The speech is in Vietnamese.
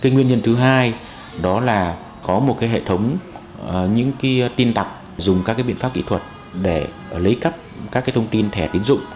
nguyên nhân thứ hai đó là có một hệ thống tin tặc dùng các biện pháp kỹ thuật để lấy cắt các thông tin thẻ tiến dụng